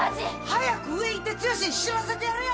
早く上行って剛に知らせてやれよ！